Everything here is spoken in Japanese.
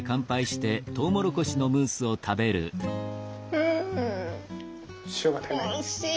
うんおいしい！